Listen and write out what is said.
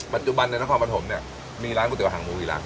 ปัจจุบันในนักฟังประถมเนี้ยมีร้านก๋วยเตี๋ยวหางหมูอีกร้าน